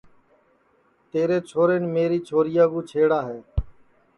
تیرے چھورین میری چھوریا کُو چھیڑا ہے